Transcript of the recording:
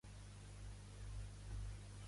Vull que em contis una broma.